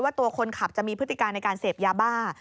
ตัวคนขับจะมีพฤติการในการเสพยาบ้า